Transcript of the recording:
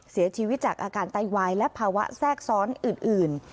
เสียชีวิตจากอาการไตวายและภาวะแทรกซ้อนอื่น